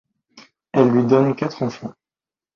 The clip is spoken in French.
Elle lui donne quatre enfants.